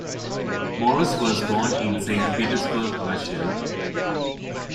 Morros was born in Saint Petersburg, Russia.